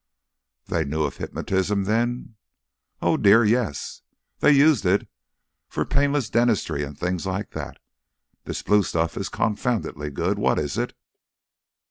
"They knew of hypnotism, then?" "Oh, dear, yes! They used it for painless dentistry and things like that! This blue stuff is confoundedly good: what is it?"